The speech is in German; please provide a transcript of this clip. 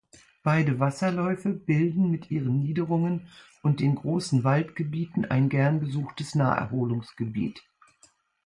Beide Wasserläufe bilden mit ihren Niederungen und den großen Waldgebieten ein gern besuchtes Naherholungsgebiet.